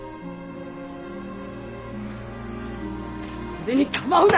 俺に構うな！